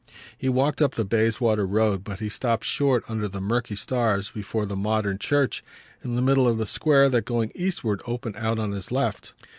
He walked up the Bayswater Road, but he stopped short, under the murky stars, before the modern church, in the middle of the square that, going eastward, opened out on his left.